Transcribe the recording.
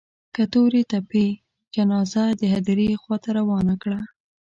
که تورې تپې جنازه د هديرې خوا ته روانه کړه.